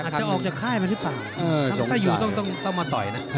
อาจจะออกจากค่ายมาหรือเปล่าถ้าอยู่ต้องมาต่อยนะ